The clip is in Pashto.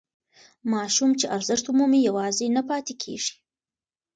ماشوم چې ارزښت ومومي یوازې نه پاتې کېږي.